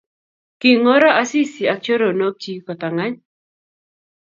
Kingoro Asisi ak choronokchi kotangany